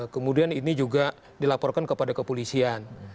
kemudian ini juga dilaporkan kepada kepolisian